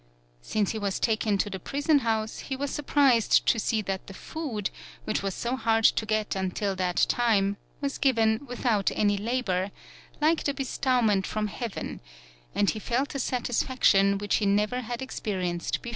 Since he was taken to the prison house he was sur prised to see that the food, which was so hard to get until that time, was given without any labor, like the bestowment from heaven, and he felt a satisfaction which he never had experienced before.